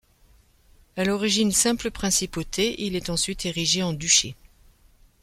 À l'origine simple principauté, il est ensuite érigé en duché.